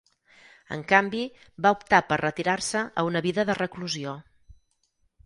En canvi, va optar per retirar-se a una vida de reclusió.